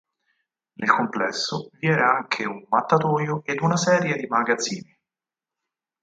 Nel complesso, vi era anche un mattatoio ed una serie di magazzini.